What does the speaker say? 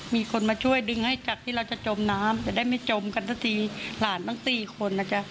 มีคนมาช่วยดึงให้จากที่เราจะจมน้ำจะได้ไม่จมกันสักทีหลานตั้งสี่คนนะจ๊ะ